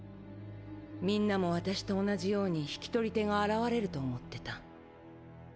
みんなも私と同じように引き取り手が現れると思ってた。